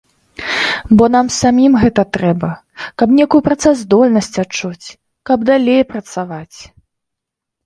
Бо нам самім гэта трэба, каб нейкую працаздольнасць адчуць, каб далей працаваць.